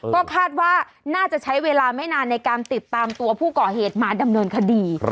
ก็คาดว่าน่าจะใช้เวลาไม่นานในการติดตามตัวผู้ก่อเหตุมาดำเนินคดี